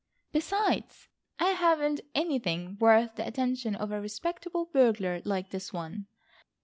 Besides, I haven't anything worth the attention of a respectable burglar like this one."